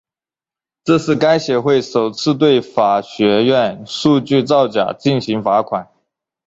这是该协会首次对法学院数据造假进行罚款。